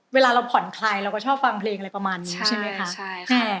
เวลาเราผ่อนคลายเราก็ชอบฟังเพลงอะไรประมาณนี้ใช่ไหมคะใช่ค่ะ